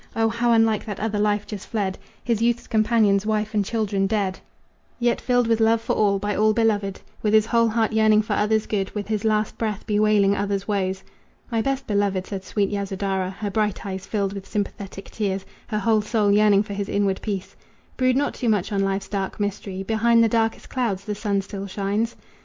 O how unlike that other life just fled! His youth's companions, wife and children, dead, Yet filled with love for all, by all beloved, With his whole heart yearning for others' good, With his last breath bewailing others' woes." "My best beloved," said sweet Yasodhara, Her bright eyes filled with sympathetic tears, Her whole soul yearning for his inward peace, "Brood not too much on life's dark mystery Behind the darkest clouds the sun still shines."